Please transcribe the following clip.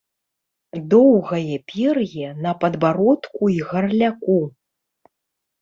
Доўгае пер'е на падбародку і гарляку.